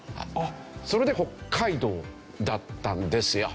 それで北海道だったんですよ。